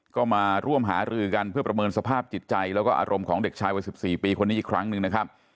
ก็มาร่วมหารือกันเพื่อประเมินสภาพจิตใจแล้วก็อารมณ์ของเด็กชายวัย๑๔ปีคนนี้อีกครั้งหนึ่งนะครับ